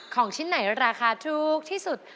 ของชิ้นไหนราคาถูกที่สุด